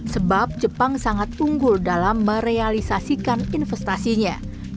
sebab jepang sangat unggul dalam merealisasikan investasinya